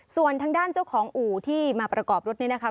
ส่วนทางด้านเจ้าของอู่ที่มาประกอบรถนี้นะคะ